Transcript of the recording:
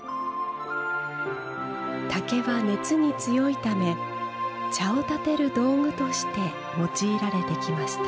竹は熱に強いため茶をたてる道具として用いられてきました。